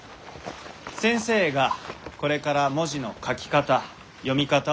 先生がこれから文字の書き方読み方を教えます。